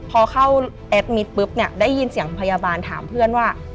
พอเข้าแอดมิตรปุ๊บเนี่ยได้ยินเสียงพยาบาลถามเพื่อนว่า